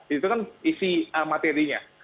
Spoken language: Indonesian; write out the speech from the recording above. itu kan isi materinya